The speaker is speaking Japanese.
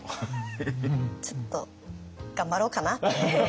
ちょっと頑張ろうかなって。